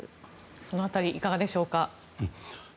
その辺りいかがでしょうか。